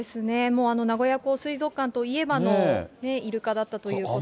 もう名古屋港水族館といえばのイルカだったということで。